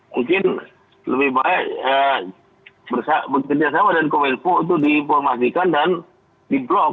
mungkin lebih baik bekerja sama dengan kominfo itu diinformasikan dan di block